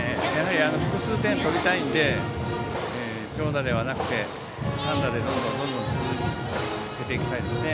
複数点を取りたいので長打ではなくて単打でどんどん続けていきたいですね。